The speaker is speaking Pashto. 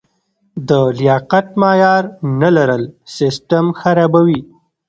د لیاقت معیار نه لرل سیستم خرابوي.